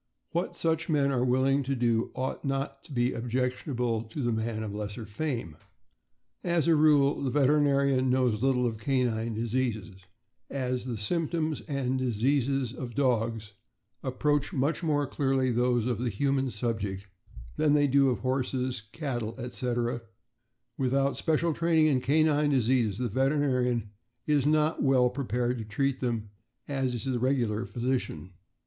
What such men are willing to do ought not to be objectionable to the man of lesser fame. As a rule, the veterinarian knows little of canine diseases; and as the symptoms and diseases of dogs approach much more nearly those of the human subject than they do to those of horses, cattle, etc., without special training in canine diseases the veterinarian is not as well prepared to treat them as is the regular physi cian.